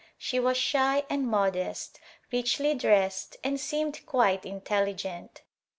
She was shy and modest, richly dressed and seemed quite intelligent.